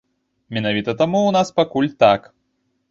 Менавіта таму ў нас пакуль так.